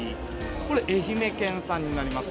これ、愛媛県産になります。